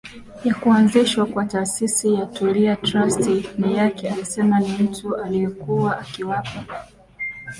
ya kuanzishwa kwa taasisi ya Tulia Trust ni yake Alisema ni mtu aliyekuwa akiwapa